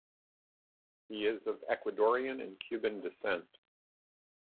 He is of Ecuadorian and Cuban descent.